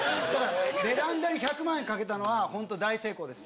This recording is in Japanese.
ベランダに１００万円かけたのはほんと大成功です。